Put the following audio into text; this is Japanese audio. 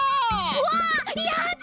うわやった！